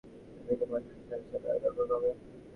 এদিকে মতিঝিল, গুলশান ও বকশীগঞ্জ শাখার আমানত কমেছে ব্যাপকভাবে।